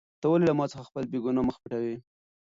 ته ولې له ما څخه خپل بېګناه مخ پټوې؟